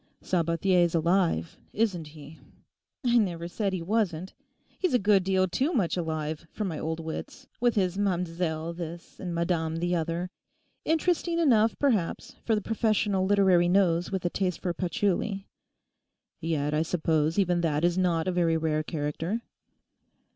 'Sabathier's alive, isn't he?' 'I never said he wasn't. He's a good deal too much alive for my old wits, with his Mam'selle This and Madame the Other; interesting enough, perhaps, for the professional literary nose with a taste for patchouli.' 'Yet I suppose even that is not a very rare character?